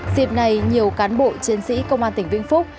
dịp này nhiều cán bộ chiến sĩ công an tỉnh vĩnh phúc